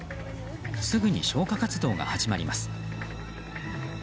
すぐに消火活動が始まります。